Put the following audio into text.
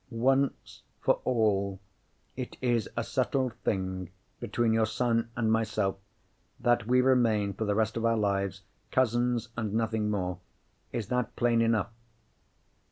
Once for all, it is a settled thing between your son and myself that we remain, for the rest of our lives, cousins and nothing more. Is that plain enough?"